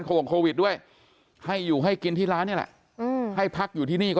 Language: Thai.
โควิดด้วยให้อยู่ให้กินที่ร้านนี่แหละให้พักอยู่ที่นี่ก็